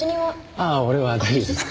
ああ俺は大丈夫です。